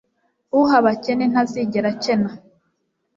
Uha abakene ntazigera akena